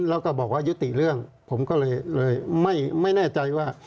แล้วก็บอกว่ายุติเรื่องผมก็เลยไม่แน่ใจว่า